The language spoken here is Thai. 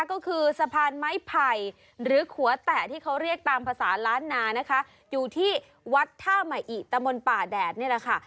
ก็คือสะพานไม้ไผ่หรือขัวแตะที่เขาเรียกตามภาษาล้านนานะคะอยู่ที่วัดท่าใหม่อิตะมนต์ป่าแดดนี่แหละค่ะ